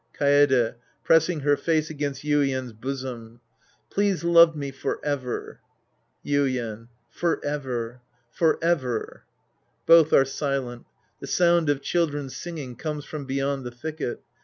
Kaede {pressing her face against Yuien's bosom). Please love me forever. Yuien. Forever. Forever. {Both are silent. The sound of children singing comes from beyond the thicket.